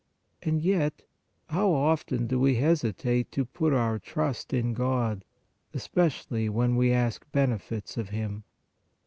And yet how often do we hesitate to place our trust in God, especially when we ask benefits of Him